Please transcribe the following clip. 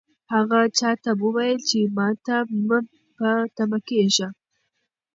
هغه چا ته وویل چې ماته مه په تمه کېږئ.